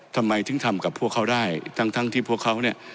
ทำไมถึงทำกับพวกเขาได้ทั้งทั้งที่พวกเขาเนี่ย